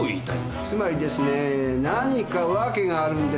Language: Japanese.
つまりですね何か訳があるんですよ。